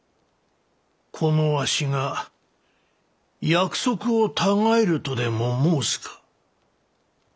このわしが約束を違えるとでも申すか？